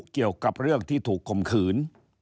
เกี่ยวกับเรื่องที่ถูกคมขืน